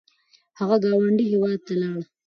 هغه ګاونډي هیواد ته لاړ